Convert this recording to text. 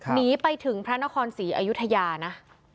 หนีไปถึงพระนครศรีอยุธยานะ